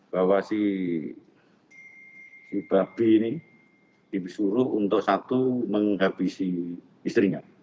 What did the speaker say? bahwa si babi ini disuruh untuk satu menghabisi istrinya